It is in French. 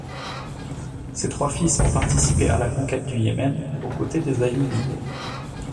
Ses trois fils ont participé à la conquête du Yémen au côté des Ayyoubides.